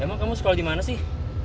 emang kamu sekolah dimana sih